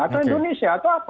atau indonesia atau apa